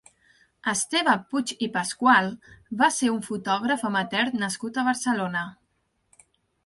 Esteve Puig i Pascual va ser un fotògraf amateur nascut a Barcelona.